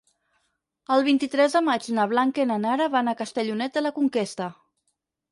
El vint-i-tres de maig na Blanca i na Nara van a Castellonet de la Conquesta.